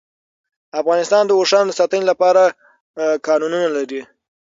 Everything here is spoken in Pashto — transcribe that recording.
افغانستان د اوښانو د ساتنې لپاره قوانین لري.